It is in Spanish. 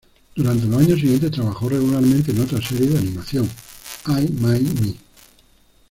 Durante los años siguientes trabajó regularmente en otra serie de anime, "I My Me!